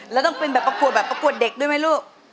แล้วต้องเป็นแบบประกวดแบบประกวดเด็กด้วยไหมลูก